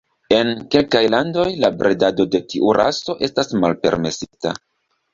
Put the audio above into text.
En kelkaj landoj, la bredado de tiu raso estas malpermesita.